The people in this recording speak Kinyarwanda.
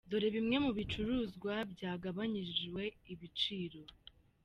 Dore bimwe mu bicuruzwa byagabanijwe igiciro.